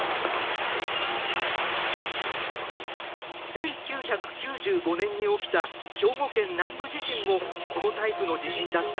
１９９５年に起きた兵庫県南部地震もこのタイプの地震だった。